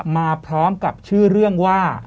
มาพร้อมกับชื่อเรื่องว่า